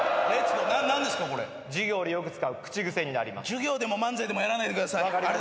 授業でも漫才でもやらないでください。